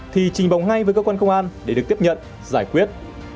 thì trình báo ngay với cơ quan công an để được tiếp nhận giải quyết